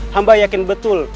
hamba yakin betul